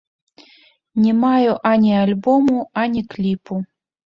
Не маю ані альбому, ані кліпу.